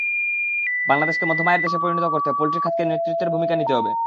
বাংলাদেশকে মধ্যম আয়ের দেশে পরিণত করতে পোলট্রি খাতকে নেতৃত্বের ভূমিকা নিতে হবে।